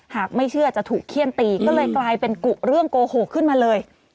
หากไม่เชื่อจะถูกเขี้ยนตีก็เลยกลายเป็นกุเรื่องโกหกขึ้นมาเลย